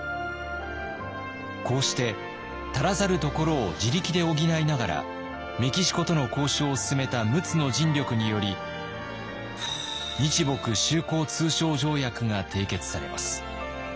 こうして足らざるところを自力で補いながらメキシコとの交渉を進めた陸奥の尽力により日墨修好通商条約が締結されます。